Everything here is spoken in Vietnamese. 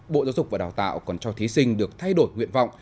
bộ giáo dục và đào tạo còn cho thí sinh được thay đổi nguyện vọng